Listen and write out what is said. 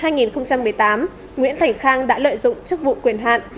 nguyễn thành khang đã lợi dụng chức vụ quyền hạn